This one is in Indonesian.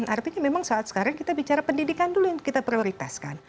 artinya memang saat sekarang kita bicara pendidikan dulu yang kita prioritaskan